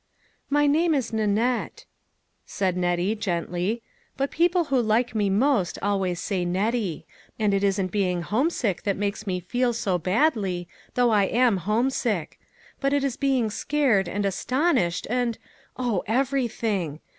" My name is Nanette," said Nettie, gently, " but people who like me most always say Nettie : and it isn't being homesick that makes me feel so badly though I am homesick ; but it is being scared, and astonished, and, oh ! every thing.